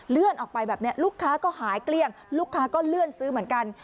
ออกไปแบบนี้ลูกค้าก็หายเกลี้ยงลูกค้าก็เลื่อนซื้อเหมือนกัน